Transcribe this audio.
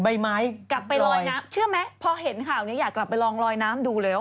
อันที่มันไม่ใช่แนวอันที่มันไม่ใช่แนวอันที่มันไม่ใช่แนว